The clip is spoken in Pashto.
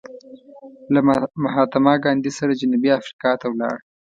له مهاتما ګاندې سره جنوبي افریقا ته ولاړ.